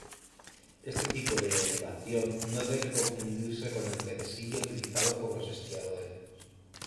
Este tipo de elevación no debe confundirse con el telesilla utilizado por los esquiadores.